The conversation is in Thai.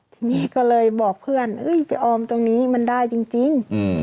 ทีนี้ก็เลยบอกเพื่อนไปออมตรงนี้มันได้จริง